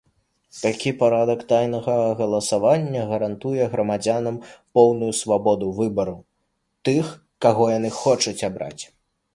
Такі парадак тайнага галасавання гарантуе грамадзянам поўную свабоду выбару тых, каго яны хочуць абраць.